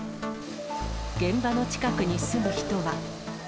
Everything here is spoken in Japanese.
現場の近くに住む人は。